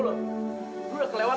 lu udah kelewatan